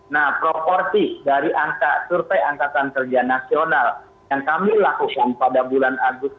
nah proporsi dari angka survei angkatan kerja nasional yang kami lakukan pada bulan agustus